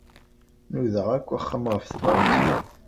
Nudaɣ-d akk axxam ɣef tebṛat-nni.